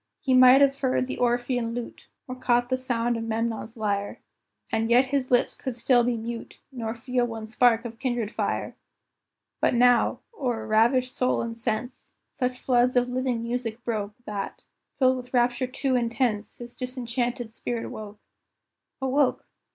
He might have heard the Orphean lute, Or caught the sound of Memnon's lyre, And yet his lips could still be mute, Nor feel one spark of kindred fire. But now, o'er ravished soul and sense, Such floods of living music broke, That, filled with rapture too intense, His disenchanted spirit woke. Awoke!